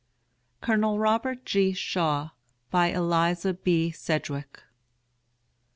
COLONEL ROBERT G. SHAW. BY ELIZA B. SEDGWICK.